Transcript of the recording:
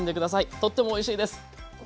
とってもおいしいです。